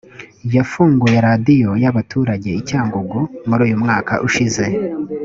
yafunguye radiyo y abaturage i cyangugu muri uyu mwaka ushize